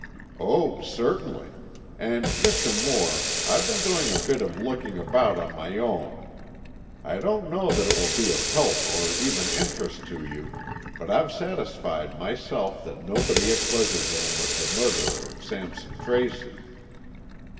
"Oh, certainly. And, Mr. Moore, I've been doing a bit of looking about on my own. I don't know that it will be of help or even interest to you, but I've satisfied myself that nobody at Pleasure Dome was the murderer of Sampson Tracy."